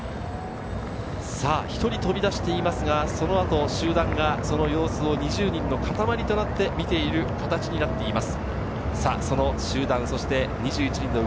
さぁ１人飛び出していますが、そのあと集団がその様子を２０人の固まりとなって見ている形になっています。